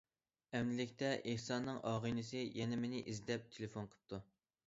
ئەمدىلىكتە، ئېھساننىڭ ئاغىنىسى يەنە مېنى ئىزدەپ تېلېفون قىپتۇ.